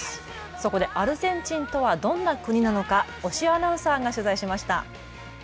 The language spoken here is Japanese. そこでアルゼンチンとはどんな国なのか押尾アナウンサーが取材しました。